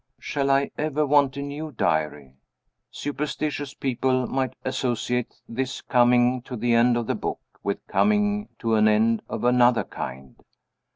Shall I ever want a new diary? Superstitious people might associate this coming to the end of the book with coming to an end of another kind.